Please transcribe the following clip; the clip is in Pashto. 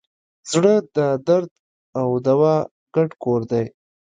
زړه د درد او دوا ګډ کور دی.